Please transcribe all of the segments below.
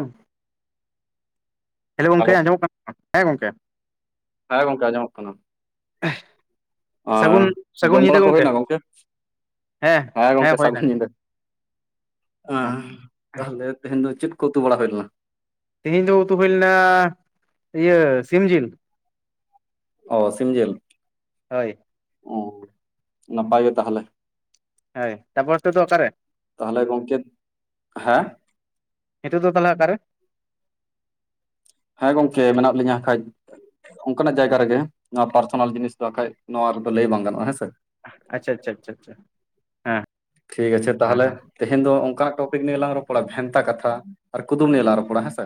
ᱩᱸ ᱦᱮᱞᱳ ᱜᱚᱝᱠᱮ ᱟᱸᱡᱚᱢᱚᱜ ᱠᱟᱱᱟ? ᱦᱮᱸ ᱜᱚᱝᱠᱮ ᱦᱮᱸ ᱜᱚᱝᱠᱮ ᱟᱸᱡᱚᱢᱚᱜ ᱠᱟᱱᱟ ᱾ ᱮᱦ ᱟᱨ ᱡᱚᱢ ᱵᱟᱲᱟ ᱠᱚ ᱦᱩᱭᱱᱟ ᱜᱚᱝᱠᱮ? ᱦᱮᱸ ᱜᱚᱢᱠᱮ ᱥᱟᱹᱜᱩᱱ ᱧᱤᱫᱟᱹ᱾ ᱟᱸᱻ ᱛᱟᱦᱚᱞᱮ ᱛᱮᱦᱮᱧ ᱫᱚ ᱪᱮᱫ ᱠᱚ ᱩᱛᱩ ᱵᱟᱲᱟ ᱦᱩᱭᱞᱮᱱᱟ? ᱛᱮᱦᱤᱧ ᱫᱚ ᱩᱛᱩ ᱦᱩᱭ ᱞᱮᱱᱟ, ᱤᱭᱟᱹ ᱥᱤᱢ ᱡᱤᱞ᱾ ᱚ ᱥᱤᱢᱡᱮᱞ᱾ ᱦᱳᱭ᱾ ᱚ ᱱᱟᱯᱟᱭ ᱜᱮ ᱛᱟᱦᱚᱞᱮ᱾ ᱦᱮᱭ ᱛᱟᱯᱚᱨ ᱱᱤᱛᱳᱜ ᱫᱚ ᱚᱠᱟᱨᱮ? ᱛᱟᱦᱚᱞᱮ ᱜᱚᱝᱠᱮ ᱦᱮᱸ ᱱᱤᱛᱳᱜ ᱫᱚ ᱛᱟᱦᱚᱞᱮ ᱚᱠᱟᱨᱮ ᱦᱮᱸ ᱜᱚᱢᱠᱮ ᱢᱮᱱᱟᱜ ᱞᱤᱧᱟᱹ ᱠᱷᱟᱡ ᱚᱱᱠᱟᱱᱟᱜ ᱡᱟᱭᱜᱟ ᱨᱮᱜᱮ ᱱᱚᱣᱟ ᱯᱟᱨᱥᱚᱱᱟᱞ ᱡᱤᱱᱤᱥ ᱫᱚ ᱵᱟᱠᱷᱟᱡ ᱱᱚᱣᱟ ᱨᱮᱫᱚ ᱞᱟᱹᱭ ᱵᱟᱝ ᱜᱟᱱᱚᱜᱼᱟ ᱦᱮᱸᱥᱮ ᱟᱪᱪᱷᱟ ᱟᱪᱪᱷᱟ ᱟᱪᱪᱷᱟ ᱟᱪᱪᱷᱟ ᱦᱮᱸ ᱴᱷᱤᱠ ᱟᱪᱷᱮ ᱦᱮᱸ ᱛᱟᱦᱞᱮ ᱦᱮᱸ ᱛᱮᱦᱮᱧ ᱫᱚ ᱚᱱᱠᱟᱱᱟᱜ ᱴᱳᱯᱤᱠ ᱱᱤᱭᱮ ᱞᱟᱝ ᱨᱚᱯᱟ ᱵᱷᱮᱱᱛᱟ ᱠᱟᱛᱷᱟ ᱟᱨ ᱠᱩᱫᱩᱢ ᱱᱤᱭᱮ ᱞᱟᱝ ᱨᱚᱯᱚᱲᱟ ᱦᱮᱸᱥᱮ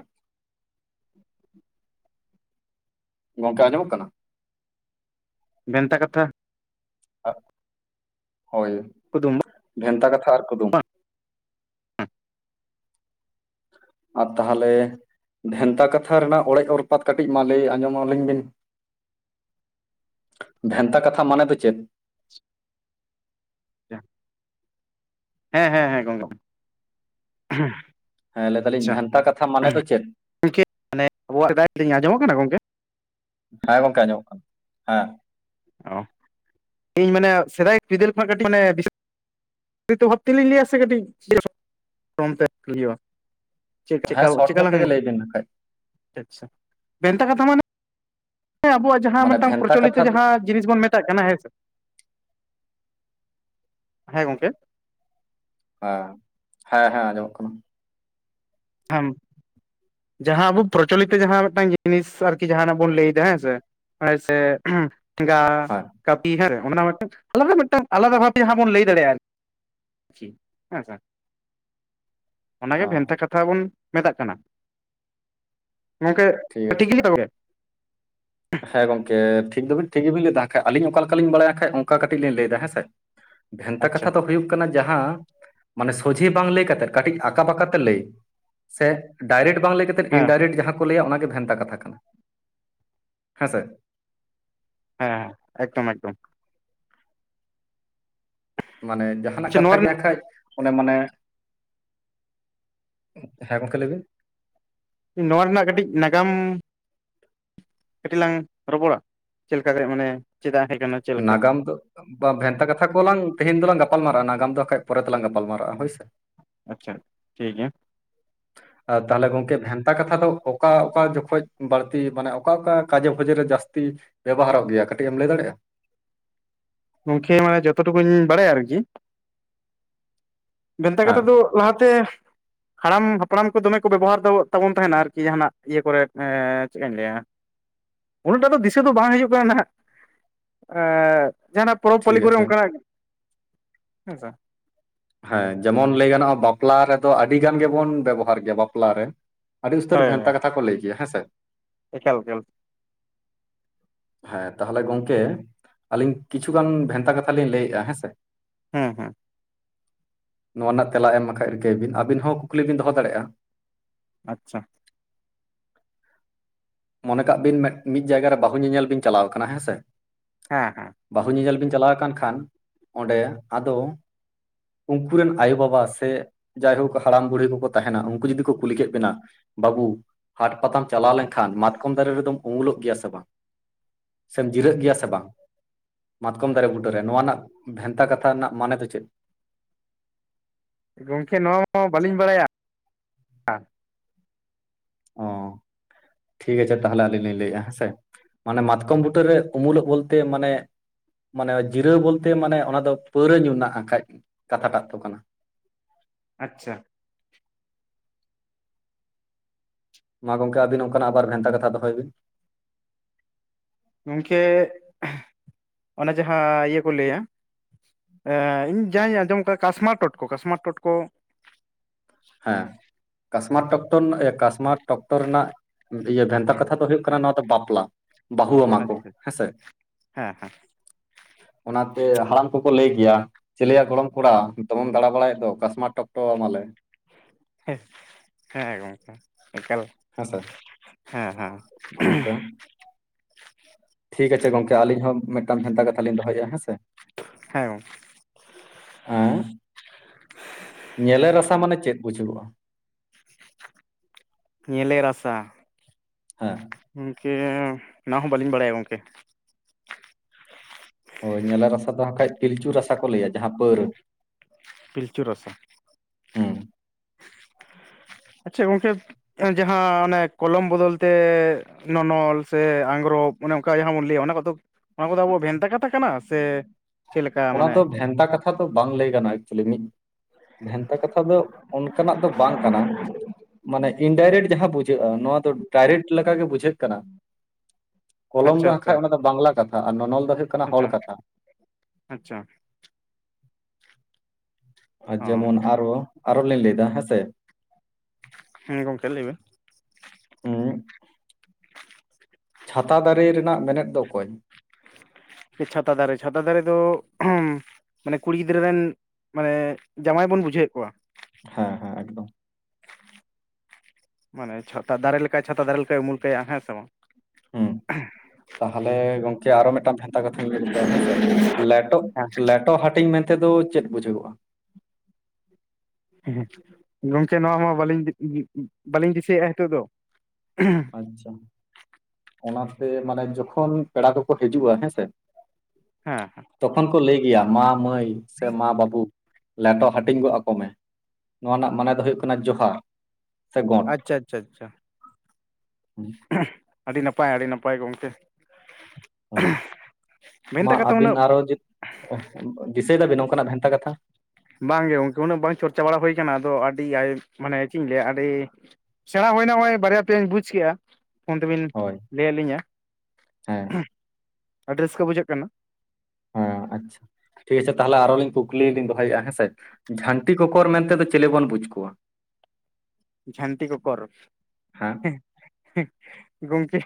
ᱜᱚᱝᱠᱮ ᱟᱸᱡᱚᱢᱚᱜ ᱠᱟᱱᱟ? ᱵᱷᱮᱱᱛᱟ ᱠᱟᱛᱷᱟ ᱟᱦ ᱦᱳᱭ ᱠᱩᱫᱩᱢ ᱵᱷᱮᱱᱛᱟ ᱠᱟᱛᱷᱟ ᱟᱨ ᱠᱩᱫᱩᱢ ᱟᱨ ᱛᱟᱦᱚᱞᱮ ᱵᱷᱮᱱᱛᱟ ᱠᱟᱛᱷᱟ ᱨᱮᱱᱟᱜ ᱚᱲᱮᱡ ᱚᱨᱯᱟᱛ ᱠᱟᱹᱴᱤᱡ ᱢᱟ ᱞᱟᱹᱭ ᱟᱸᱡᱚᱢ ᱟᱹᱞᱤᱧ ᱵᱤᱱ [inaudible] ᱵᱷᱮᱱᱛᱟ ᱠᱟᱛᱷᱟ ᱢᱟᱱᱮ ᱫᱚ ᱪᱮᱫ? [unintelligible] ᱦᱮᱸ ᱦᱮᱸ ᱦᱮᱸ ᱜᱚᱝ ᱦᱮᱸ ᱞᱟᱹᱭ ᱫᱟᱞᱤᱧ ᱵᱷᱮᱱᱛᱟ ᱠᱟᱛᱷᱟ ᱢᱟᱱᱮ ᱫᱚ ᱪᱮᱫ? ᱜᱚᱢᱠᱮ ᱢᱟᱱᱮ ᱟᱵᱚᱣᱟᱜ ᱥᱮᱫᱟᱭ ᱟᱸᱡᱚᱢᱚᱜ ᱠᱟᱱᱟ ᱜᱚᱝᱠᱮ ᱦᱮᱸ ᱜᱚᱝᱠᱮ ᱟᱸᱡᱚᱢᱚᱜ ᱠᱟᱱᱟ ᱦᱮᱸ ᱚ ᱤᱧ ᱢᱟᱱᱮ ᱥᱮᱫᱟᱭ ᱵᱤᱫᱟᱹᱞ ᱠᱷᱚᱱᱟᱜ ᱠᱟᱹᱴᱤᱡ ᱢᱟᱱᱮ [unintelligible] ᱛᱮᱞᱤᱧ ᱞᱟᱹᱭᱟ ᱥᱮ ᱠᱟᱹᱴᱤᱡ ᱛᱮᱼᱟ [unintelligible] ᱪᱮᱫ ᱪᱮᱠᱟ ᱦᱮᱸ ᱥᱚᱴ ᱪᱮᱠᱟ ᱧᱚᱜ ᱞᱟᱝ ᱛᱮᱜᱮ ᱞᱟᱹᱭ ᱵᱤᱱ ᱱᱟᱠᱷᱟᱡ ᱟᱪᱪᱷᱟ ᱵᱷᱮᱱᱛᱟ ᱠᱟᱛᱷᱟ ᱢᱟᱱᱮ ᱟᱵᱚᱣᱟᱜ ᱡᱟᱦᱟᱸ ᱢᱟᱱᱮ ᱢᱤᱫᱴᱟᱝ ᱵᱷᱮᱱᱛᱟ ᱯᱨᱚᱪᱚᱞᱤᱛᱚ ᱠᱟᱛᱷᱟ ᱫᱚ ᱡᱟᱦᱟᱸ ᱡᱤᱱᱤᱥ ᱵᱚᱱ ᱢᱮᱛᱟᱜ ᱠᱟᱱᱟ ᱦᱮᱸᱥᱮ, ᱦᱮᱸ ᱜᱚᱝᱠᱮ? ᱦᱮ ᱦᱮᱸ ᱦᱮᱸ ᱟᱸᱡᱚᱢᱚᱜ ᱠᱟᱱᱟ᱾ ᱦᱮᱸᱢ ᱡᱟᱦᱟᱸ ᱟᱵᱚ ᱯᱨᱚᱪᱚᱞᱤᱛᱚ ᱡᱟᱦᱟᱸ ᱢᱤᱫᱴᱟᱝ ᱡᱤᱱᱤᱥ ᱟᱨᱠᱤ ᱡᱟᱦᱟᱸᱱᱟᱜ ᱵᱚᱱ ᱞᱟᱹᱭ ᱫᱟ ᱦᱮᱸ ᱥᱮ᱾ ᱟᱭ ᱥᱮ ᱦᱮᱸ [unintelligible] ᱠᱟᱹᱯᱤ ᱦᱮᱸ ᱚᱱᱟ ᱢᱤᱫᱴᱟᱝ ᱟᱞᱟᱫᱟ ᱢᱤᱫᱴᱟᱝ ᱟᱞᱟᱫᱟ ᱵᱷᱟᱵ ᱡᱟᱦᱟᱸ ᱵᱚᱱ ᱞᱟᱹᱭ ᱫᱟᱲᱮ ᱭᱟᱜᱼᱟ ᱟᱨᱠᱤ ᱦᱮᱸ ᱥᱮ, ᱚᱱᱟᱜᱮ ᱦᱮᱸ ᱵᱷᱮᱱᱛᱟ ᱠᱟᱛᱷᱟ [unintelligible] ᱢᱮᱛᱟᱜ ᱠᱟᱱᱟ᱾ ᱜᱚᱝᱠᱮ ᱴᱷᱤᱠ [unintelligible] ᱜᱚᱝᱠᱮ? ᱦᱮᱸ ᱜᱚᱢᱠᱮ ᱴᱤᱠ ᱫᱚᱵ ᱴᱤᱠ ᱜᱮᱵᱤ ᱞᱟᱹᱭᱫᱟ ᱦᱟᱸᱜ ᱟᱹᱞᱤᱧ ᱚᱠᱟ ᱞᱮᱠᱟᱞᱤᱧ ᱵᱟᱲᱟᱭ ᱠᱷᱟᱡ ᱚᱱᱠᱟ ᱠᱟᱹᱴᱤᱡ ᱞᱤᱧ ᱞᱟᱹᱭᱫᱟ ᱦᱮᱸᱥᱮ᱾ ᱵᱷᱮᱱᱛᱟ ᱟᱪᱪᱷᱟ ᱠᱟᱛᱷᱟ ᱫᱚ ᱦᱩᱭᱩᱜ ᱠᱟᱱᱟ ᱡᱟᱦᱟᱸ ᱢᱟᱱᱮ ᱥᱚᱡᱷᱮ ᱵᱟᱝ ᱞᱟᱹᱭ ᱠᱟᱛᱮᱫ ᱠᱟᱹᱴᱤᱡ ᱟᱠᱟᱸᱠᱟ ᱵᱟᱸᱠᱟᱛᱮ ᱞᱟᱹᱭ᱾ ᱥᱮ ᱰᱟᱭᱨᱮᱠᱴ ᱵᱟᱝ ᱞᱟᱹᱭ ᱠᱟᱛᱮᱫ ᱦᱮᱸ ᱤᱱᱰᱟᱭᱨᱮᱠᱴ ᱡᱟᱦᱟᱸ ᱠᱚ ᱞᱟᱹᱭᱟ ᱚᱱᱟᱜᱮ ᱵᱷᱮᱱᱛᱟ ᱠᱟᱛᱷᱟ ᱠᱟᱱᱟ᱾ ᱦᱮᱸᱥᱮ? ᱦᱮᱸ ᱮᱠᱫᱚᱢ ᱮᱠᱫᱚᱢ ᱢᱟᱱᱮ ᱡᱟᱦᱱᱟᱜ ᱟᱪᱪᱷᱟ ᱠᱟᱛᱷᱟ ᱱᱚᱣᱟ ᱜᱮ ᱦᱟᱜ ᱨᱮᱱᱟᱜ ᱠᱷᱟᱡ ᱚᱱᱮ ᱢᱟᱱᱮ, ᱦᱮᱸ ᱜᱚᱝᱠᱮ ᱞᱮᱵᱤᱱ ᱱᱚᱣᱟ ᱨᱮᱱᱟᱜ ᱠᱟᱹᱴᱤᱡ ᱱᱟᱜᱟᱢ ᱠᱟᱹᱴᱤᱡ ᱞᱟᱝ ᱨᱚᱯᱚᱲᱟ ᱪᱮᱫ ᱞᱮᱠᱟᱛᱮ ᱢᱟᱱᱮ ᱪᱮᱫᱟᱜ ᱦᱮᱡ ᱠᱟᱱ ᱱᱟᱜᱟᱢ ᱫᱚ ᱵᱷᱮᱱᱛᱟ ᱠᱟᱛᱷᱟ ᱠᱚᱞᱟᱝ ᱛᱮᱦᱮᱧ ᱫᱚᱞᱟᱝ ᱜᱟᱯᱟᱞᱢᱟᱨᱟᱜᱼᱟ ᱱᱟᱜᱟᱢ ᱫᱚ ᱵᱟᱠᱟᱡ ᱯᱚᱨᱮ ᱛᱮᱞᱟᱝ ᱜᱟᱯᱟᱞ ᱢᱟᱨᱟᱨᱟᱜᱼᱟ ᱦᱳᱭᱥᱮ ᱟᱪᱪᱷᱟ ᱴᱷᱤᱠ ᱜᱮᱭᱟ ᱛᱟᱦᱚᱞᱮ ᱜᱚᱝᱠᱮ ᱵᱷᱮᱱᱛᱟ ᱠᱟᱛᱷᱟ ᱫᱚ ᱚᱠᱟ ᱚᱠᱟ ᱡᱚᱠᱷᱚᱡ ᱵᱟᱹᱲᱛᱤ ᱢᱟᱱᱮ ᱚᱠᱟ ᱚᱠᱟ ᱠᱟᱡᱮ ᱵᱷᱚᱡᱮ ᱨᱮ ᱡᱟᱹᱥᱛᱤ ᱵᱮᱵᱚᱦᱟᱨᱚᱜ ᱜᱮᱭᱟ ᱠᱟᱹᱴᱤᱡ ᱮᱢ ᱞᱟᱹᱭ ᱫᱟᱲᱮᱭᱟᱜᱼᱟ ᱜᱚᱝᱠᱮ ᱢᱟᱱᱮ ᱡᱚᱛᱚ ᱴᱩᱠᱩᱧ ᱵᱟᱲᱟᱭᱟ ᱟᱨᱠᱤ, ᱵᱷᱮᱱᱛᱟ ᱦᱮᱸ ᱠᱟᱛᱷᱟ ᱫᱚ ᱞᱟᱦᱟᱛᱮ ᱦᱟᱲᱟᱢ ᱦᱟᱯᱲᱟᱢ ᱠᱚ ᱫᱚᱢᱮ ᱠᱚ ᱵᱮᱵᱚᱦᱟᱨ ᱛᱟᱵᱚᱱ ᱛᱟᱦᱮᱱᱟ ᱟᱨᱠᱤ ᱡᱟᱦᱟᱱᱟᱜ ᱤᱭᱟᱹ ᱠᱚᱨᱮ ᱪᱮᱫ ᱤᱧ ᱞᱟᱹᱭᱟ ᱩᱱᱟᱹᱜᱴᱟ ᱫᱚ ᱫᱤᱥᱟᱹ ᱫᱚ ᱵᱟᱝ ᱦᱤᱡᱩᱜ ᱠᱟᱱᱟ ᱱᱟᱦᱟᱜ ᱮᱸᱻ ᱡᱟᱦᱱᱟᱜ ᱯᱚᱨᱚᱵᱽ ᱯᱟᱹᱞᱤ ᱴᱷᱤᱠ ᱠᱚᱨᱮ ᱟᱪᱷᱮ ᱚᱱᱠᱟᱱᱟᱜ ᱦᱮᱸᱥᱮ ᱦᱮᱸ, ᱡᱮᱢᱚᱱ ᱞᱟᱹᱭ ᱜᱟᱱᱚᱜᱼᱟ ᱵᱟᱯᱞᱟ ᱨᱮᱫᱚ ᱟᱹᱰᱤ ᱜᱟᱱ ᱜᱮᱵᱚᱱ ᱵᱮᱵᱚᱦᱟᱨ ᱜᱮᱭᱟ ᱵᱟᱯᱞᱟᱨᱮ ᱟᱹᱰᱤ ᱩᱥᱛᱟᱹᱨ ᱦᱳᱭ ᱵᱷᱮᱱᱛᱟ ᱠᱟᱛᱷᱟ ᱠᱚ ᱞᱟᱹᱭ ᱜᱮᱭᱟ ᱦᱮᱸᱥᱮ ᱮᱠᱟᱞ ᱮᱠᱟᱞ ᱦᱮᱸ ᱛᱟᱦᱚᱞᱮ ᱜᱚᱝᱠᱮ ᱟᱹᱞᱤᱧ ᱠᱤᱪᱷᱩᱜᱟᱱ ᱵᱷᱮᱱᱛᱟ ᱠᱟᱛᱷᱟ ᱞᱤᱧ ᱞᱟᱹᱭᱮᱜᱼᱟ ᱦᱮᱸᱥᱮ ᱦᱮᱸ ᱦᱮᱸ ᱱᱚᱣᱟ ᱨᱮᱱᱟᱜ ᱛᱮᱞᱟ ᱮᱢ ᱨᱮᱱᱟᱜ ᱠᱷᱟᱡ ᱨᱤᱠᱟᱹᱭ ᱵᱤᱱ ᱟᱹᱵᱤᱱ ᱦᱚᱸ ᱠᱩᱠᱞᱤ ᱵᱤᱱ ᱫᱚᱦᱚ ᱫᱟᱲᱮᱭᱟᱜᱼᱟ ᱟᱪᱪᱷᱟ ᱢᱚᱱᱮ ᱠᱟᱜ ᱵᱤᱱ ᱢᱮᱫ-ᱢᱤᱫ ᱡᱟᱭᱜᱟ ᱨᱮ ᱵᱟᱹᱦᱩ ᱧᱮᱧᱮᱞ ᱵᱤᱱ ᱪᱟᱞᱟᱣ ᱠᱟᱱᱟ ᱦᱮᱸ ᱥᱮ ᱦᱮᱸ ᱦᱮᱸ ᱵᱟᱹᱦᱩ ᱧᱮᱧᱮᱞ ᱵᱤᱱ ᱪᱟᱞᱟᱣ ᱠᱟᱱ ᱠᱷᱟᱱ ᱚᱸᱰᱮ ᱟᱫᱚ ᱩᱝᱠᱩ ᱨᱮᱱ ᱟᱭᱳᱼᱵᱟᱵᱟ ᱥᱮ ᱡᱟᱭᱦᱳᱠ ᱦᱟᱲᱟᱢ ᱵᱩᱲᱦᱤ ᱠᱚᱠᱚ ᱛᱟᱦᱮᱱᱟ ᱩᱝᱠᱩ ᱡᱩᱫᱤ ᱠᱚ ᱠᱩᱞᱤ ᱠᱮᱫ ᱵᱤᱱᱟ ᱵᱟᱹᱵᱩ ᱦᱟᱴ ᱯᱟᱛᱟᱢ ᱪᱟᱞᱟᱣ ᱞᱮᱱᱠᱷᱟᱱ ᱢᱟᱛᱠᱚᱢ ᱫᱟᱨᱮ ᱨᱮᱫᱚᱢ ᱩᱢᱩᱞᱚᱜ ᱜᱮᱭᱟ ᱥᱮ ᱵᱟᱝ ᱥᱮᱢ ᱡᱤᱨᱟᱹᱜ ᱜᱮᱭᱟ ᱥᱮ ᱵᱟᱝ ᱢᱟᱛᱠᱚᱢ ᱫᱟᱨᱮ ᱵᱩᱴᱟᱹᱨᱮ ᱱᱚᱣᱟ ᱨᱮᱱᱟᱜ ᱵᱷᱮᱱᱛᱟ ᱠᱟᱛᱷᱟ ᱨᱮᱱᱟᱜ ᱢᱟᱱᱮ ᱫᱚ ᱪᱮᱫ ᱜᱚᱢᱠᱮ ᱱᱚᱣᱟ ᱢᱟ ᱵᱟᱹᱞᱤᱧ ᱵᱟᱲᱟᱭᱟ ᱚ [inaudible] ᱴᱷᱤᱠ ᱟᱪᱷᱮ ᱛᱟᱦᱚᱞᱮ ᱟᱹᱞᱤᱧ ᱞᱤᱧ ᱞᱟᱹᱭᱮᱜᱼᱟ ᱦᱮᱸᱥᱮ ᱢᱟᱱᱮ ᱢᱟᱛᱠᱚᱢ ᱵᱩᱴᱟᱹᱨᱮ ᱩᱢᱩᱞᱚᱜ ᱵᱚᱞᱛᱮ ᱢᱟᱱᱮ ᱢᱟᱱᱮ ᱡᱤᱨᱟᱹᱣ ᱵᱚᱞᱛᱮ ᱢᱟᱱᱮ ᱚᱱᱟ ᱫᱚ ᱯᱟᱹᱣᱨᱟᱹ ᱧᱩ ᱨᱮᱱᱟᱜ ᱦᱟᱜ ᱠᱷᱟᱡ ᱠᱟᱛᱷᱟᱴᱟᱜ ᱫᱚ ᱠᱟᱱᱟ ᱟᱪᱪᱷᱟ ᱢᱟ ᱜᱚᱢᱠᱮ ᱟᱹᱵᱤᱱ ᱚᱱᱠᱟᱱᱟᱜᱵᱟᱨ ᱜᱷᱟᱱᱴᱟ ᱠᱟᱛᱷᱟ ᱫᱚᱦᱚᱭ ᱵᱤᱱ ᱜᱚᱢᱠᱮᱜ ᱚᱱᱟ ᱡᱟᱦᱟᱸ ᱤᱭᱟᱹ ᱠᱚ ᱞᱟᱹᱭᱟ ᱮ ᱤᱧ ᱡᱟᱦᱟᱺᱧ ᱟᱸᱡᱚᱢ ᱠᱟᱫᱼᱟ ᱠᱟᱥᱢᱟ ᱴᱚᱴᱠᱚ ᱠᱟᱥᱢᱟ ᱴᱚᱴᱠᱚ ᱦᱮᱸ ᱠᱟᱥᱢᱟ ᱴᱚᱠᱴᱚ ᱰᱚᱠᱛᱚᱨ ᱠᱟᱥᱢᱟᱴ ᱰᱚᱠᱛᱚᱨ ᱨᱮᱱᱟᱜ ᱤᱭᱟᱹ ᱵᱷᱮᱱᱛᱟ ᱠᱟᱛᱷᱟ ᱫᱚ ᱦᱩᱭᱩᱜ ᱠᱟᱱᱟ ᱱᱚᱣᱟ ᱫᱚ ᱵᱟᱯᱞᱟ ᱵᱟᱹᱦᱩᱣᱟᱢᱟ ᱠᱚ ᱟᱪᱪᱷᱟ ᱦᱮᱸᱥᱮ ᱦᱮᱸ ᱚᱱᱟᱛᱮ ᱦᱟᱲᱟᱢ ᱠᱚᱠᱚ ᱞᱟᱹᱭ ᱜᱮᱭᱟ ᱪᱤᱞᱤᱭᱟ ᱜᱚᱲᱚᱢ ᱠᱚᱲᱟ ᱫᱚᱢᱮᱢ ᱫᱟᱬᱟ ᱵᱟᱲᱟᱭᱮᱫ ᱫᱚ ᱠᱟᱥᱢᱟ ᱴᱚᱠᱴᱚᱣᱟᱢᱟᱞᱮ ᱦᱮᱸ ᱜᱚᱢᱠᱮ ᱮᱠᱟᱞ ᱦᱮᱸᱥᱮ ᱦᱮᱸ ᱦᱮᱸ ᱱᱚᱝᱠᱟ ᱴᱷᱤᱠ ᱟᱪᱷᱮ ᱜᱚᱝᱠᱮ ᱟᱹᱞᱤᱧ ᱦᱚᱸ ᱢᱤᱫᱴᱟᱝ ᱵᱷᱮᱱᱛᱟ ᱠᱟᱛᱷᱟᱞᱤᱧ ᱫᱚᱦᱚᱭᱮᱫᱼᱟ ᱦᱮᱸ ᱥᱮ ᱦᱮᱸ ᱜᱚᱢᱠᱮ ᱦᱮᱸ ᱧᱮᱞᱮ ᱨᱟᱥᱟ ᱢᱟᱱᱮ ᱪᱮᱫ ᱵᱩᱡᱷᱩᱜᱚᱜᱼᱟ ᱧᱮᱞᱮ ᱨᱟᱥᱟ ᱦᱟᱸ ᱜᱚᱝᱠᱮ ᱚᱱᱟ ᱦᱚᱸ ᱵᱟᱹᱞᱤᱧ ᱵᱟᱲᱟᱭᱟ ᱜᱚᱝᱠᱮ ᱦᱳᱭ ᱧᱮᱞᱟ ᱨᱟᱥᱟ ᱫᱚ ᱦᱟᱠᱷᱟᱡ ᱯᱤᱞᱪᱩ ᱨᱟᱥᱟ ᱠᱚ ᱞᱟᱹᱭᱟ ᱡᱟᱦᱟᱸ ᱯᱟᱹᱨ ᱯᱤᱞᱪᱩ ᱨᱟᱥᱟ ᱦᱩᱸ ᱟᱪᱷᱟ ᱜᱚᱝᱠᱮ ᱡᱟᱦᱟᱸ ᱚᱱᱮ ᱠᱚᱞᱚᱢ ᱵᱚᱫᱚᱞ ᱛᱮ ᱱᱚᱱᱚᱞ ᱥᱮ ᱟᱝᱜᱽᱨᱚᱵ ᱚᱱᱮ ᱚᱱᱠᱟ ᱡᱟᱦᱟᱸ ᱵᱚᱱ ᱞᱟᱹᱭᱟ ᱚᱱᱟ ᱠᱚᱫᱚ ᱚᱱᱟ ᱠᱚᱫᱚ ᱟᱵᱚᱣᱟᱜ ᱵᱷᱮᱱᱛᱟ ᱠᱟᱛᱷᱟ ᱠᱟᱱᱟ ᱥᱮ ᱪᱮᱫ ᱞᱮᱠᱟ ᱚᱱᱟ ᱢᱟᱱᱮ ᱫᱚ ᱵᱷᱮᱱᱛᱟ ᱠᱟᱛᱷᱟ ᱠᱟᱛᱷᱟ ᱫᱚ ᱵᱟᱝ ᱞᱟᱹᱭ ᱜᱟᱱᱚᱜᱟ ᱮᱠᱪᱩᱭᱮᱞᱤ ᱢᱤᱫ ᱵᱷᱮᱱᱛᱟ ᱠᱟᱛᱷᱟ ᱫᱚ ᱚᱱᱠᱟᱱᱟᱜ ᱫᱚ ᱵᱟᱝ ᱠᱟᱱᱟ ᱢᱟᱱᱮ ᱤᱱᱰᱟᱭᱨᱮᱠᱴ ᱡᱟᱦᱟᱸ ᱵᱩᱡᱷᱟᱹᱜᱼᱟ ᱱᱚᱣᱟ ᱫᱚ ᱰᱟᱭᱨᱮᱴ ᱞᱮᱠᱟᱜᱮ ᱵᱩᱡᱷᱟᱹᱜ ᱠᱚᱞᱚᱢ ᱫᱚ ᱦᱟᱸ ᱠᱷᱟᱡ ᱚᱱᱟ ᱫᱚ ᱵᱟᱝᱞᱟ ᱠᱟᱛᱷᱟ ᱟᱨ ᱱᱚᱱᱚᱞ ᱫᱚ ᱦᱩᱭᱩᱜ ᱠᱟᱱᱟ ᱦᱚᱲ ᱟᱪᱷᱟ ᱠᱟᱛᱷᱟ ᱟᱪᱷᱟ ᱟᱨ ᱚ ᱡᱮᱢᱚᱱ ᱟᱨᱚ ᱟᱨᱚ ᱞᱤᱧ ᱞᱟᱹᱭ ᱫᱟ ᱦᱮᱸᱥᱮ ᱦᱮᱸ ᱜᱚᱝᱠᱮ ᱞᱟᱹᱭ ᱵᱮᱱ ᱦᱩᱸ ᱪᱷᱟᱛᱟ ᱫᱟᱨᱮ ᱨᱮᱱᱟᱜ ᱢᱮᱱᱮᱫ ᱫᱚ ᱚᱠᱚᱭ? ᱪᱷᱟᱛᱟ ᱫᱟᱨᱮ ᱪᱷᱟᱛᱟ ᱫᱟᱨᱮ ᱫᱚ [unintelligible] ᱢᱟᱱᱮ ᱠᱩᱲᱤ ᱜᱤᱫᱽᱨᱟᱹ ᱨᱮᱱ ᱢᱟᱱᱮ ᱡᱟᱶᱟᱭ ᱵᱚᱱ ᱵᱩᱡᱷᱟᱹᱣᱮᱫ ᱠᱚᱣᱟ ᱦᱮᱸ ᱦᱮᱸ ᱮᱜᱽ ᱢᱟᱱᱮ ᱪᱷᱟᱛᱟ ᱫᱟᱨᱮ ᱞᱮᱠᱟᱭ ᱪᱷᱟᱛᱟ ᱫᱟᱨᱮ ᱞᱮᱠᱟᱭ ᱩᱢᱩᱞ ᱠᱟᱭᱟ ᱦᱮᱸ ᱥᱮ ᱵᱟᱝ ᱦᱩᱸ ᱛᱟᱦᱚᱞᱮ ᱜᱚᱢᱠᱮ ᱟᱨᱚ ᱢᱤᱫᱴᱟᱝ ᱵᱷᱮᱱᱛᱟ ᱠᱟᱛᱷᱟᱧ ᱞᱮᱫᱟ ᱦᱮᱸᱥᱮ ᱞᱮᱴᱚ ᱞᱮ ᱞᱮᱴᱚ ᱦᱟᱹᱴᱤᱧ ᱢᱮᱱᱛᱮ ᱫᱚ ᱪᱮᱫ ᱵᱩᱡᱷᱟᱹᱜᱚᱜᱼᱟ ᱦᱮᱸ ᱜᱚᱢᱠᱮ ᱱᱚᱣᱟ ᱢᱟ ᱵᱟᱹᱞᱤᱧ ᱵᱟᱹᱞᱤᱧ ᱫᱤᱥᱟᱹᱭᱮᱫᱼᱟ ᱱᱤᱛᱚᱜ ᱫᱚ ᱟᱪᱪᱷᱟ ᱚᱱᱟᱛᱮ ᱢᱟᱱᱮ ᱡᱚᱠᱷᱚᱱ ᱯᱮᱲᱟ ᱠᱚ ᱠᱚ ᱦᱤᱡᱩᱜᱼᱟ ᱦᱮᱸᱥᱮ ᱦᱮᱸ ᱦᱮᱸ ᱛᱚᱠᱷᱚᱱ ᱠᱚ ᱞᱟᱹᱭ ᱜᱮᱭᱟ ᱢᱟ ᱢᱟᱹᱭ ᱥᱮ ᱢᱟ ᱵᱟᱹᱵᱩ ᱞᱮᱴᱚ ᱦᱟᱹᱴᱤᱧ ᱜᱚᱜ ᱟᱠᱚ ᱢᱮ ᱱᱚᱣᱟ ᱨᱮᱱᱟᱜ ᱢᱟᱱᱮ ᱫᱚ ᱦᱩᱭᱩᱜ ᱠᱟᱱᱟ ᱡᱚᱦᱟᱨ ᱥᱮ ᱜᱚᱸᱰ ᱟᱪᱪᱷᱟ ᱟᱪᱪᱷᱟ ᱟᱪᱪᱷᱟ ᱟᱹᱰᱤ ᱱᱟᱯᱟᱭ ᱟᱹᱰᱤ ᱱᱟᱯᱟᱭ ᱜᱚᱢᱠᱮ ᱦᱳᱭ ᱢᱟ ᱵᱷᱮᱱᱛᱟ ᱠᱟᱛᱷᱟ ᱟᱹᱵᱤᱱ ᱩᱱᱟᱹᱜ ᱟᱨᱚ ᱫᱤᱥᱟᱹᱭ ᱫᱟᱹᱵᱤᱱ ᱚᱱᱠᱟᱱᱟᱜ ᱵᱷᱮᱱᱛᱟ ᱠᱟᱛᱷᱟ ᱵᱟᱝᱜᱮ ᱜᱚᱢᱠᱮ ᱩᱱᱟᱹᱜ ᱵᱟᱝ ᱪᱚᱨᱪᱟ ᱵᱟᱲᱟ ᱦᱩᱭ ᱟᱠᱟᱱᱟ ᱟᱫᱚ ᱟᱹᱰᱤ ᱟᱭ ᱢᱟᱱᱮ ᱪᱮᱫ ᱤᱧ ᱞᱟᱹᱭᱟ ᱟᱹᱰᱤ ᱥᱮᱬᱟ ᱦᱩᱭᱱᱟ ᱱᱚᱜᱼᱚᱭ ᱵᱟᱨᱭᱟ ᱯᱮᱭᱟᱧ ᱵᱩᱡ ᱠᱮᱜᱼᱟ ᱯᱷᱳᱱ ᱛᱮᱵᱮᱱ ᱦᱳᱭ ᱞᱟᱹᱭᱼᱟᱜ ᱞᱤᱧᱟ ᱦᱮᱸ ᱟᱹᱰᱤ ᱨᱟᱹᱥᱠᱟ ᱵᱩᱡᱷᱟᱹᱜ ᱠᱟᱱᱟ ᱦᱮᱸ ᱟᱪᱪᱷᱟ ᱴᱷᱤᱠ ᱜᱟᱪᱷᱮ ᱛᱟᱦᱚᱞᱮ ᱟᱨᱚᱞᱤᱧ ᱠᱩᱠᱞᱤ ᱞᱤᱧ ᱫᱚᱦᱚᱭᱮᱜᱼᱟ ᱦᱮᱸᱥᱮ ᱡᱷᱟᱹᱱᱴᱤ ᱠᱚᱠᱚᱨ ᱢᱮᱱᱛᱮᱫᱚ ᱪᱤᱞᱤ ᱵᱚᱱ ᱵᱩᱡ ᱠᱚᱣᱟ ᱡᱷᱟᱹᱱᱴᱤ ᱠᱚᱠᱚᱨ ᱦᱮᱸ ᱦᱮᱸᱜ ᱦᱮᱸᱜ ᱜᱚᱢᱠᱮ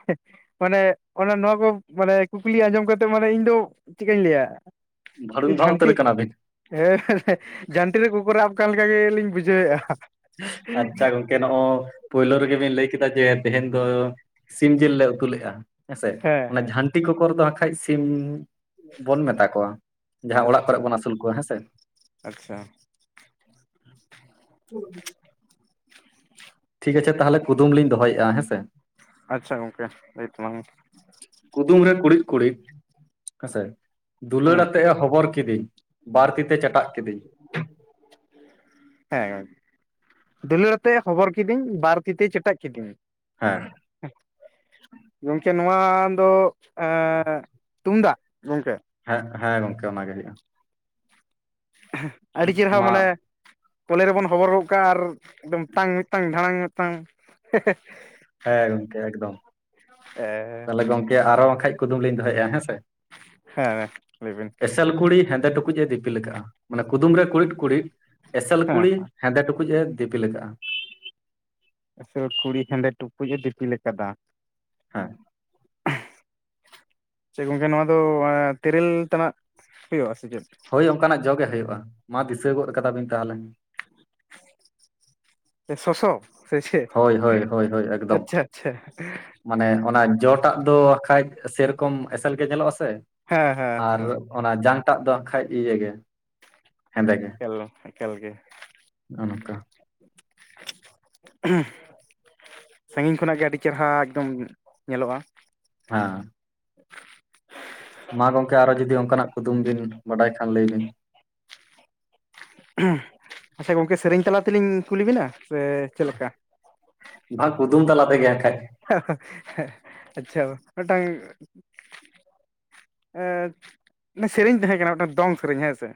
ᱢᱟᱱᱮ ᱚᱱᱟ ᱱᱚᱣᱟ ᱠᱚ ᱢᱟᱱᱮ ᱠᱩᱠᱞᱤ ᱟᱸᱡᱚᱢ ᱠᱟᱛᱮᱜ ᱢᱟᱱᱮ ᱤᱧ ᱫᱚ ᱪᱮᱫᱠᱟᱧ ᱞᱟᱹᱭᱟ ᱵᱷᱟᱹᱲᱩᱢᱵᱷᱟᱜ ᱩᱛᱟᱹᱨ ᱡᱷᱟᱹᱱᱴᱤ ᱠᱟᱱᱟᱵᱤᱱ ᱦᱮᱸ ᱡᱷᱟᱹᱱᱴᱤ ᱨᱮ ᱠᱚᱠᱚᱨ‌ ᱮ ᱟᱵ ᱠᱟᱱ ᱞᱮᱠᱟ ᱜᱮᱻᱞᱤᱧ ᱵᱩᱡᱷ ᱟᱪᱪᱷᱟ ᱜᱚᱢᱠᱮ ᱱᱚᱜᱼᱚᱭ ᱯᱳᱭᱞᱳ ᱨᱮᱜᱮ ᱵᱤᱱ ᱞᱟᱹᱭ ᱠᱮᱫᱟ ᱡᱮ ᱛᱮᱦᱮᱧ ᱫᱚ ᱥᱤᱢ ᱡᱮᱞ ᱞᱮ ᱩᱛᱩ ᱞᱮᱜ-ᱟ ᱦᱮᱸᱥᱮ ᱦᱮᱸ ᱚᱱᱟ ᱦᱮᱸ ᱡᱷᱟᱹᱱᱴᱤ ᱠᱚᱠᱚᱨ ᱫᱚ ᱱᱟᱠᱷᱟᱡ ᱥᱤᱢ ᱵᱚᱱ ᱢᱮᱛᱟ ᱠᱚᱣᱟ ᱡᱟᱦᱟ ᱚᱲᱟᱜ ᱟᱪᱪᱷᱟ ᱠᱚᱨᱮᱜ ᱵᱚᱱ ᱟᱹᱥᱩᱞ ᱠᱚᱣᱟ ᱦᱮᱸᱥᱮ ᱟᱪᱪᱷᱟ ᱴᱷᱤᱠ ᱜᱟᱪᱷᱮ ᱛᱟᱦᱚᱞᱮ ᱠᱩᱫᱩᱢ ᱞᱤᱧ ᱫᱚᱦᱚᱭᱮᱜᱼᱟ ᱦᱮᱸ ᱥᱮ ᱟᱪᱪᱷᱟᱠ ᱜᱚᱢᱠᱮ ᱞᱮᱭ ᱛᱟᱞᱟᱝ ᱢᱮ ᱠᱩᱫᱩᱢ ᱨᱮ ᱠᱩᱲᱤᱫ ᱠᱩᱲᱤᱫ ᱦᱮᱸᱥᱮ ᱫᱩᱞᱟᱹᱲ ᱦᱮᱸ ᱟᱛᱮᱜ ᱮ ᱦᱚᱵᱚᱨ ᱠᱤᱫᱤᱧ ᱵᱟᱨ ᱛᱤ ᱛᱮ ᱪᱮᱴᱟᱜ ᱠᱤᱫᱤᱧ ᱦᱮᱸ ᱫᱟᱩᱞᱟᱹᱲ ᱟᱛᱮᱜ ᱮ ᱦᱚᱵᱚᱨ ᱠᱤᱫᱤᱧ ᱵᱟᱨ ᱛᱤ ᱛᱮ ᱪᱮᱴᱟᱜ ᱠᱤᱫᱤᱧ ᱦᱮᱸ ᱜᱚᱢᱠᱮ ᱱᱚᱣᱟ ᱫᱚ ᱛᱩᱢᱫᱟᱜ ᱜᱚᱢᱠᱮ ᱦᱮᱸ ᱦᱮᱸ ᱜᱚᱢᱠᱮ ᱚᱱᱟ ᱜᱮ ᱦᱳᱭᱳᱜᱼᱟ ᱟᱹᱰᱤ ᱪᱮᱨᱦᱟ ᱢᱟ ᱢᱟᱱᱮ ᱠᱚᱞᱮ ᱨᱮᱵᱚᱱ ᱦᱚᱵᱚᱨ ᱜᱚᱜ ᱠᱟᱜᱼᱟ ᱟᱨ ᱮᱠᱫᱚᱢ ᱛᱟᱝ ᱢᱤᱛᱟᱝ ᱫᱷᱟᱲᱟᱝ ᱛᱟᱝ ᱦᱮᱦᱮᱻ ᱦᱮᱸ ᱜᱚᱢᱠᱮ ᱮᱠᱫᱚᱢ ᱾ ᱛᱟᱦᱚᱞᱮ ᱜᱚᱢᱠᱮ ᱟᱨᱦᱚ ᱵᱟᱠᱷᱟᱡ ᱠᱩᱫᱩᱢ ᱞᱤᱧ ᱫᱚᱦᱚᱭᱮᱜᱼᱟ ᱦᱮᱸ ᱥᱮ ᱦᱮᱸ ᱞᱟᱹᱭ ᱵᱤᱱ ᱮᱥᱮᱞ ᱠᱩᱲᱤ ᱦᱮᱸᱫᱮ ᱴᱩᱠᱩᱡ ᱮ ᱫᱤᱯᱤᱞ ᱫᱤᱯᱤᱞ ᱠᱟᱜᱼᱟ ᱢᱟᱱᱮ ᱠᱩᱫᱩᱢ ᱨᱮ ᱠᱩᱲᱤᱫ ᱠᱩᱲᱤᱫ ᱮᱥᱮᱞ ᱦᱮᱸ ᱠᱩᱲᱤ ᱦᱮᱸᱫᱮ ᱴᱩᱠᱩᱡ ᱮ ᱫᱤᱯᱤᱞ ᱠᱟᱜᱼᱟ ᱮᱥᱮᱞ ᱠᱩᱲᱤ ᱦᱮᱸᱫᱮ ᱴᱩᱠᱩᱡ ᱮ ᱫᱤᱯᱤᱞ ᱠᱟᱫᱟ ᱦᱮᱸ ᱪᱮᱫ ᱜᱚᱢᱠᱮ ᱱᱚᱣᱟ ᱫᱚ ᱛᱮᱨᱮᱞ ᱛᱟᱱᱟᱜ ᱦᱳᱭᱳᱜᱼᱟ ᱥᱮ ᱪᱮᱫ ᱦᱳᱭ ᱚᱱᱠᱟᱱᱟᱜ ᱡᱚ ᱜᱮ ᱦᱳᱭᱳᱜᱼᱟ ᱢᱟ ᱫᱤᱥᱟᱹ ᱜᱚᱫ ᱠᱟᱫᱟᱵᱤᱱ ᱛᱟᱦᱚᱞᱮ ᱥᱚᱥᱚ ᱥᱮ ᱪᱮᱫ ᱦᱳᱭ ᱦᱳᱭ ᱦᱳᱭ ᱦᱳᱭ ᱮᱠᱫᱚᱢ ᱟᱪᱪᱷᱟ ᱟᱪᱪᱷᱟ ᱢᱟᱱᱮ ᱚᱱᱟ ᱡᱚᱴᱟᱜ ᱫᱚ ᱟᱻᱠᱷᱟᱡ ᱥᱮᱨᱚᱠᱚᱢ ᱮᱥᱮᱞ ᱜᱮ ᱧᱮᱞᱚᱜ-ᱟ ᱥᱮ ᱦᱮᱸ ᱦᱮᱸ ᱦᱮᱸ ᱟᱨ ᱦᱮᱸ ᱚᱱᱟ ᱡᱟᱝᱴᱟᱜ ᱫᱚ ᱟᱻᱠᱷᱟᱡ ᱤᱭᱟᱹ ᱜᱮ ᱮᱠᱟᱞ ᱮᱠᱟᱞ ᱜᱮ ᱱᱚᱜ ᱚ ᱱᱚᱝᱠᱟ [unintelligible] ᱥᱟᱹᱸᱜᱤᱧ ᱠᱷᱚᱱᱟᱜ ᱜᱮ ᱟᱹᱰᱤ ᱪᱮᱨᱦᱟ ᱮᱠᱫᱚᱢ ᱧᱮᱞᱚᱜᱼᱟ ᱦᱮᱸ ᱢᱟ ᱜᱚᱝᱠᱮ ᱟᱨᱚ ᱡᱩᱫᱤ ᱚᱝᱠᱟᱱᱟᱜ ᱠᱩᱫᱩᱢ ᱵᱤᱱ ᱵᱟᱰᱟᱭ ᱠᱷᱟᱱ ᱞᱟᱹᱭ ᱵᱤᱱ ᱟᱪᱪᱷᱟ ᱜᱚᱝᱠᱮ ᱥᱮᱨᱮᱧ ᱛᱟᱞᱟ ᱛᱮᱞᱤᱧ ᱠᱩᱞᱤ ᱵᱤᱱᱟ ᱥᱮ ᱪᱮᱫ ᱞᱮᱠᱟ ᱵᱟᱝ ᱠᱩᱫᱩᱢ ᱛᱟᱞᱟ ᱛᱮᱜᱮ ᱦᱟᱸᱜ ᱟᱠᱷᱟᱡ ᱟᱪᱪᱷᱟ ᱢᱤᱫᱴᱟᱝ ᱮᱸ, ᱥᱮᱨᱮᱧ ᱛᱟᱦᱮᱸ ᱠᱟᱱᱟ ᱢᱤᱫᱴᱮᱱ ᱫᱚᱝ ᱥᱮᱨᱮᱧ ᱦᱮᱸ ᱥᱮ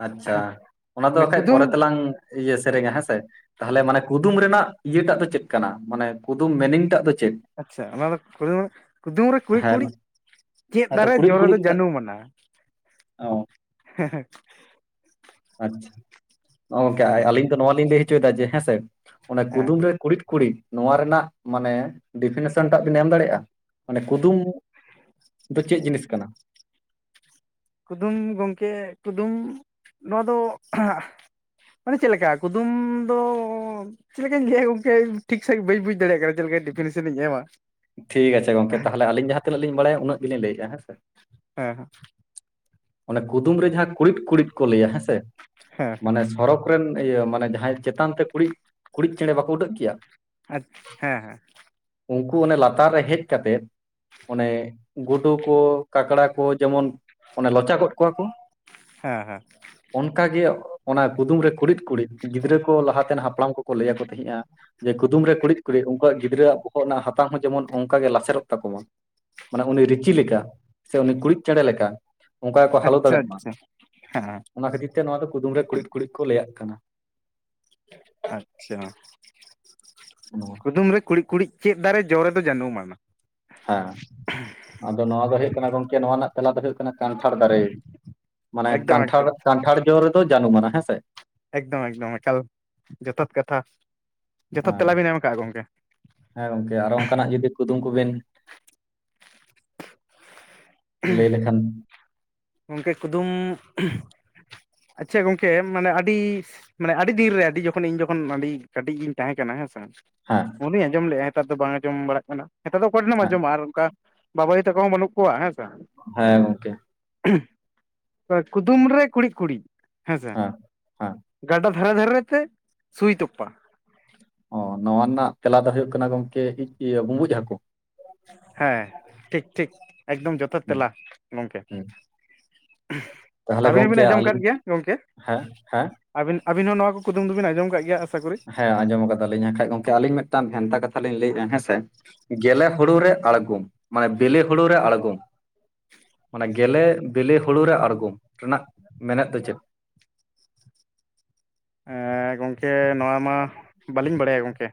ᱟᱪᱪᱷᱟ ᱚᱱᱟ ᱫᱚ ᱚᱱᱮ ᱦᱟᱸᱜ ᱠᱷᱟᱡ ᱠᱩᱫᱩᱢ ᱯᱚᱨᱮ ᱛᱮᱞᱟᱝ ᱤᱭᱟᱹ ᱥᱮᱨᱮᱧᱟ ᱦᱮᱸᱥᱮ ᱛᱟᱦᱚᱞᱮ ᱢᱟᱱᱮ ᱠᱩᱫᱩᱢ ᱨᱮᱱᱟᱜ ᱤᱭᱟᱹᱴᱟᱜ ᱫᱚ ᱪᱮᱫ ᱠᱟᱱᱟ ᱢᱟᱱᱮ ᱠᱩᱫᱩᱢ ᱢᱮᱱᱤᱝ ᱴᱟᱜ ᱫᱚ ᱪᱮᱫ ᱟᱪᱪᱷᱟ ᱚᱱᱟ ᱫᱚ ᱠᱩᱫᱩᱢ ᱠᱩᱫᱩᱢ ᱨᱮ ᱠᱩᱬᱤᱫ ᱦᱮᱸ ᱠᱩᱬᱤᱫ ᱪᱮᱫ ᱦᱮᱸᱛᱚ ᱫᱟᱨᱮ ᱠᱩᱲᱤᱫ ᱡᱚ ᱨᱮᱫᱚ ᱠᱩᱲᱤᱫ ᱠᱟᱜ ᱡᱟᱹᱱᱩᱢᱟᱱᱟ ᱚ [inaudible] ᱟᱪᱪᱷᱟ ᱜᱚᱝᱠᱮ ᱟᱹᱞᱤᱧ ᱫᱚ ᱱᱚᱣᱟ ᱞᱤᱧ ᱞᱟᱹᱭ ᱦᱚᱪᱚᱭ ᱫᱟ ᱡᱮ ᱦᱮᱸ ᱥᱮ ᱚᱱᱟ ᱦᱮᱸ ᱠᱩᱫᱩᱢ ᱨᱮ ᱠᱩᱬᱤᱫ ᱠᱩᱬᱤᱫ ᱱᱚᱣᱟ ᱨᱮᱱᱟᱜ ᱢᱟᱱᱮ ᱰᱤᱯᱷᱤᱱᱮᱥᱚᱱ ᱴᱟᱜ ᱵᱤᱱ ᱮᱢ ᱫᱟᱲᱮᱜᱼᱟ ᱢᱟᱱᱮ ᱠᱩᱫᱩᱢ ᱫᱚ ᱪᱮᱫ ᱡᱤᱱᱤᱥ ᱠᱟᱱᱟ ᱠᱩᱫᱩᱢ ᱜᱚᱝᱠᱮ ᱠᱩᱫᱩᱢ ᱱᱚᱣᱟ ᱫᱚ ᱢᱟᱱᱮ ᱪᱮᱫ ᱞᱮᱠᱟ ᱠᱩᱫᱩᱢ ᱫᱚᱻ ᱪᱮᱫ ᱞᱮᱠᱟᱧ ᱞᱟᱹᱭᱟ ᱜᱚᱝᱠᱮ ᱴᱷᱤᱠ ᱥᱟᱺᱦᱤᱡ ᱵᱟᱹᱧ ᱵᱩᱡᱽ ᱫᱟᱲᱮᱭᱟᱜ ᱠᱟᱱᱟ, ᱪᱮᱫ ᱞᱮᱠᱟ ᱰᱤᱯᱷᱤᱱᱮᱥᱚᱱᱤᱧ ᱮᱢᱟ ᱴᱷᱤᱠ ᱟᱪᱷᱮ ᱜᱚᱝᱠᱮ ᱛᱟᱦᱞᱮ ᱟᱞᱤᱧ ᱡᱟᱦᱟ ᱛᱤᱱᱟᱹᱜ ᱞᱤᱧ ᱵᱟᱲᱟᱭᱟ ᱩᱱᱟᱹᱜ ᱜᱤᱞᱤᱧ ᱞᱟᱹᱭᱮᱜ-ᱟ ᱦᱮᱸ ᱥᱮ ᱦᱮᱸ ᱦᱮᱸ ᱚᱱᱮ ᱠᱩᱫᱩᱢ ᱨᱮ ᱡᱟᱦᱟᱸ ᱠᱩᱬᱤᱫ ᱠᱩᱬᱤᱫ ᱠᱚ ᱞᱟᱹᱭᱟ ᱦᱮᱸᱥᱮ ᱦᱮᱸ ᱦᱮᱸ ᱢᱟᱱᱮ ᱥᱚᱨᱚᱠ ᱨᱮᱱ ᱤᱭᱟᱹ ᱢᱟᱱᱮ ᱡᱟᱦᱟᱸᱭ ᱪᱮᱛᱟᱱ ᱛᱮ ᱠᱩᱬᱤᱫ ᱠᱩᱬᱤᱫ ᱪᱮᱬᱮ ᱵᱟᱠᱚ ᱩᱰᱟᱹᱜ ᱜᱮᱭᱟ ᱟ ᱦᱮᱸ ᱦᱮᱸ ᱩᱝᱠᱩ ᱚᱱᱮ ᱞᱟᱛᱟᱨ ᱨᱮ ᱦᱮᱡ ᱠᱟᱛᱮᱫ ᱚᱱᱮ ᱜᱩᱰᱩ ᱠᱚ ᱠᱟᱠᱲᱟ ᱠᱚ ᱡᱮᱢᱚᱱ ᱚᱱᱮ ᱞᱚᱪᱟ ᱜᱚᱫ ᱠᱚᱣᱟ ᱠᱚ ᱦᱮᱸ ᱦᱮᱸ ᱚᱱᱠᱟᱜᱮ ᱚᱱᱟ ᱠᱩᱫᱩᱢ ᱨᱮ ᱠᱩᱲᱤᱫ ᱠᱩᱲᱤᱫ ᱜᱤᱫᱽᱨᱟᱹ ᱠᱚ ᱞᱟᱦᱟ ᱛᱮᱱ ᱦᱟᱯᱲᱟᱢ ᱠᱚᱠᱚ ᱞᱟᱹᱭᱟᱠᱚ ᱛᱟᱦᱮᱸᱫᱼᱟ ᱡᱮ ᱠᱩᱫᱩᱢ ᱨᱮ ᱠᱩᱢᱤᱫ ᱠᱩᱬᱤᱫ ᱩᱱᱠᱩᱣᱟᱜ ᱜᱤᱫᱽᱨᱟᱹᱣᱟᱜ ᱵᱚᱦᱚᱜ ᱨᱮᱱᱟᱜ ᱦᱟᱛᱟᱝ ᱦᱚᱸ ᱡᱮᱢᱚᱱ ᱚᱝᱠᱟᱜᱮ ᱞᱟᱥᱮᱨᱚᱜ ᱛᱟᱠᱚ ᱢᱟ ᱢᱟᱱᱮ ᱩᱱᱤ ᱨᱤᱪᱤ ᱞᱮᱠᱟ ᱥᱮ ᱩᱱᱤ ᱠᱩᱬᱤᱫ ᱪᱮᱬᱮ ᱞᱮᱠᱟ ᱚᱝᱠᱟ ᱜᱮᱠᱚ ᱦᱟᱞᱚ ᱟᱪᱪᱷᱟ ᱫᱟᱲᱭᱟᱜ ᱢᱟ ᱟᱪᱪᱷᱟ ᱦᱮᱸ ᱚᱱᱟ ᱠᱷᱟᱹᱛᱤᱨ ᱛᱮ ᱱᱚᱣᱟ ᱫᱚ ᱠᱩᱫᱩᱢ ᱨᱮ ᱠᱩᱬᱤᱫ ᱠᱩᱬᱤᱫ ᱠᱚ ᱞᱟᱹᱭᱟᱜ ᱠᱟᱱᱟ ᱟᱪᱷᱟ ᱱᱚᱣᱟ ᱠᱩᱫᱩᱢ ᱨᱮ ᱠᱩᱬᱤᱫ ᱠᱩᱬᱤᱫ ᱪᱮᱫ ᱫᱟᱨᱮ ᱡᱚ ᱨᱮ ᱫᱚ ᱡᱟᱹᱱᱩᱢ ᱟᱱᱟ ᱦᱮᱸ ᱟᱫᱚ ᱱᱚᱣᱟ ᱫᱚ ᱦᱩᱭᱩᱜ ᱠᱟᱱᱟ ᱜᱚᱝᱠᱮ ᱱᱚᱣᱟ ᱨᱮᱱᱟᱜ ᱛᱮᱞᱟ ᱠᱚ ᱫᱚ ᱠᱟᱱᱴᱷᱟᱲ ᱫᱟᱨᱮ ᱢᱟᱱᱮ ᱮᱠᱫᱚᱢ ᱠᱟᱱᱴᱷᱟᱲ ᱮᱠᱫᱚᱢ ᱠᱟᱱᱴᱷᱟᱲ ᱡᱚ ᱨᱮ ᱫᱚ ᱡᱟᱹᱱᱩᱢᱟᱱᱟ ᱦᱮᱸᱥᱮ ᱮᱠᱫᱚᱢ ᱮᱠᱫᱚᱢ ᱮᱠᱟᱞ ᱡᱚᱛᱷᱟᱛ ᱠᱟᱛᱷᱟ ᱡᱚᱛᱷᱟᱛ ᱦᱮᱸ ᱛᱮᱞᱟᱵᱤᱱ ᱮᱢ ᱟᱠᱟᱜᱼᱟ ᱜᱚᱝᱠᱮ ᱦᱮᱸ ᱜᱚᱝᱠᱮ ᱟᱨᱚ ᱚᱝᱠᱟᱱᱟᱜ ᱡᱩᱫᱤ ᱠᱩᱫᱩᱢ ᱠᱚᱵᱮᱱ ᱞᱟᱹᱭ ᱞᱮᱠᱷᱟᱱ ᱜᱚᱝᱠᱮ ᱠᱩᱫᱩᱢ ᱟᱪᱷᱟ ᱜᱚᱝᱠᱮ ᱢᱟᱱᱮ ᱟᱹᱰᱤ ᱢᱟᱱᱮ ᱟᱹᱰᱤ ᱫᱤᱱ ᱨᱮ ᱟᱹᱰᱤ ᱡᱚᱠᱷᱚᱱ ᱤᱧ ᱡᱚᱠᱷᱚᱱ ᱟᱹᱰᱤ ᱠᱟᱹᱴᱤᱡ ᱤᱧ ᱛᱟᱦᱮᱸ ᱠᱟᱱᱟ ᱦᱮᱸᱥᱮ ᱦᱮᱸ ᱩᱱᱫᱚᱧ ᱟᱸᱡᱚᱢ ᱞᱮᱜ-ᱟ ᱱᱮᱛᱟᱨ ᱫᱚ ᱵᱟᱝ ᱟᱸᱡᱚᱢ ᱵᱟᱲᱟᱜ ᱠᱟᱱᱟ ᱱᱮᱛᱟᱨ ᱫᱚ ᱚᱠᱚᱭ ᱴᱷᱮᱱᱮᱢ ᱦᱮᱸ ᱟᱸᱡᱚᱢᱟ ᱟᱨ ᱚᱝᱠᱟ ᱵᱟᱵᱟ ᱟᱭᱩ ᱛᱟᱠᱚ ᱦᱚᱸ ᱵᱟᱹᱱᱩᱜ ᱠᱚᱣᱟ ᱦᱮᱸ ᱥᱮ ᱦᱮᱸ ᱜᱚᱝᱠᱮ ᱠᱩᱫᱩᱢ ᱨᱮ ᱠᱩᱬᱤᱫ ᱠᱩᱬᱤᱫ ᱦᱮᱸᱥᱮ ᱦᱮᱸ ᱦᱮᱸ ᱜᱟᱰᱟ ᱫᱷᱟᱨᱮ ᱫᱷᱟᱨᱮ ᱛᱮ ᱥᱩᱭ ᱛᱚᱯᱟ ᱚ ᱱᱚᱣᱟ ᱨᱮᱱᱟᱜ ᱛᱮᱞᱟ ᱫᱚ ᱦᱩᱭᱩᱜ ᱠᱟᱱᱟ ᱜᱚᱝᱠᱮ ᱤᱭᱟᱹ ᱵᱩᱢᱵᱩᱡ ᱦᱟᱹᱠᱩ ᱦᱮᱸ ᱴᱷᱤᱠ ᱴᱷᱤᱠ ᱮᱠᱫᱚᱢ ᱡᱚᱛᱷᱟᱛ ᱦᱩᱸ ᱛᱮᱞᱟ ᱜᱚᱝᱠᱮ ᱦᱩᱸ ᱛᱟᱦᱚᱞᱮ ᱟᱹᱵᱤᱱ ᱦᱚᱸᱵᱤᱱ ᱜᱚᱝᱠᱮ ᱟᱸᱡᱚᱢ ᱠᱟᱫ ᱟᱹᱞᱤᱧ ᱜᱮᱭᱟ ᱠᱤ- ᱜᱚᱝᱠᱮ ᱦᱮᱸ ᱦᱮᱸ ᱟᱹᱵᱤᱱ ᱟᱹᱵᱤᱱ ᱦᱚᱸ ᱱᱚᱣᱟ ᱠᱚ ᱠᱩᱫᱩᱢ ᱫᱚᱵᱤᱱ ᱟᱸᱡᱚᱢ ᱠᱟᱜ ᱜᱮᱭᱟ ᱟᱥᱟ ᱠᱚᱨᱤ ᱦᱮᱸ ᱟᱸᱡᱚᱢ ᱠᱟᱫᱟᱞᱤᱧ ᱮᱱᱠᱦᱟᱡ ᱜᱚᱝᱠᱮ ᱟᱹᱞᱤᱧ ᱢᱤᱫᱴᱟᱝ ᱵᱷᱮᱱᱛᱟ ᱠᱟᱛᱷᱟ ᱞᱤᱧ ᱞᱟᱹᱭᱮᱜᱼᱟ ᱦᱮᱸ ᱥᱮ ᱜᱮᱞᱮ ᱦᱩᱲᱩ ᱨᱮ ᱟᱬᱜᱚᱢ ᱢᱟᱱᱮ ᱵᱮᱞᱮ ᱦᱩᱲᱩ ᱨᱮ ᱟᱬᱜᱚᱢ ᱢᱟᱱᱮ ᱜᱮᱞᱮ ᱵᱮᱞᱮ ᱦᱩᱲᱩ ᱨᱮ ᱟᱬᱜᱚᱢ ᱨᱮᱱᱟᱜ ᱢᱮᱱᱮᱫ ᱫᱚ ᱪᱮᱫ ᱜᱚᱢᱠᱮ ᱱᱚᱣᱟ ᱢᱟ ᱵᱟᱹᱞᱤᱧ ᱵᱟᱲᱟᱭᱟ ᱜᱚᱢᱠᱮ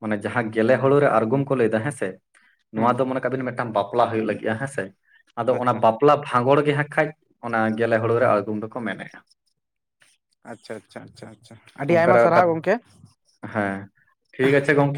ᱢᱟᱱᱮ ᱡᱟᱦᱟᱸ ᱫᱚ ᱜᱮᱞᱮ ᱦᱩᱲᱩ ᱨᱮ ᱟᱬᱜᱚᱢ ᱠᱚ ᱞᱟᱹᱭᱫᱟ ᱦᱮᱸᱥᱮ ᱱᱚᱣᱟ ᱦᱩᱸ ᱫᱚ ᱦᱩᱸ ᱢᱟᱱᱮ ᱠᱟᱵᱤᱱ ᱢᱤᱫᱴᱟᱱ ᱵᱟᱯᱞᱟ ᱦᱩᱭᱩᱜ ᱞᱟᱹᱜᱤᱫᱼᱟ ᱦᱮᱸᱥᱮ ᱟᱫᱚ ᱚᱱᱟ ᱟᱪᱪᱷᱟ ᱵᱟᱯᱞᱟ ᱵᱟᱯᱞᱟ ᱵᱷᱟᱸᱜᱚᱲ ᱜᱮᱭᱟᱦᱟᱜ ᱠᱷᱟᱡ ᱚᱱᱟ ᱜᱮᱞᱮ ᱦᱩᱲᱩᱨ ᱨᱮ ᱟᱬᱜᱚᱢ ᱫᱚᱠᱚ ᱢᱮᱱᱮᱜᱼᱟ ᱟᱪᱷᱟ ᱟᱪᱷᱟ ᱟᱪᱷᱟ ᱟᱪᱦᱟ ᱟᱹᱰᱤ ᱚᱱᱠᱟ ᱟᱭᱢᱟ ᱥᱟᱨᱦᱟᱣ ᱠᱟᱛ ᱜᱚᱝᱠᱮ ᱦᱮᱸ ᱴᱷᱤᱠ ᱟᱪᱦᱮ ᱜᱚᱝᱠᱮ